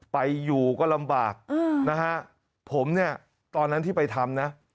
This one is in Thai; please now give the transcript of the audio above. ไปอยู่ก็ลำบากนะฮะผมเนี่ยตอนนั้นที่ไปทำนะ